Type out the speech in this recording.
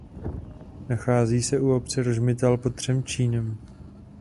Nachází se u obce Rožmitál pod Třemšínem.